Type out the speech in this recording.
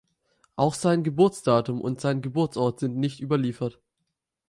Auch sein Geburtsdatum und sein Geburtsort sind nicht überliefert.